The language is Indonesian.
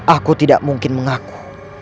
aku tidak mungkin mengaku